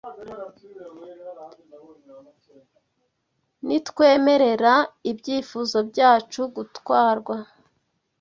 nitwemerera ibyifuzo byacu gutwarwa